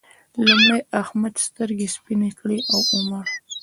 لومړی احمد سترګې سپينې کړې او ومړ.